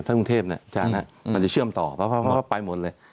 กรุงเทพเนี่ยมันจะเชื่อมต่อเพราะว่าไปหมดเลย